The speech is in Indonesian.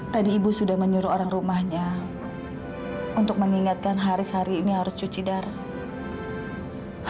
tadi ibu sudah menyuruh orang rumahnya untuk mengingatkan haris hari ini harus cuci darah